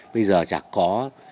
bây giờ chả có